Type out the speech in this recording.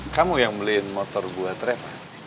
kamu yang beliin motor buat repa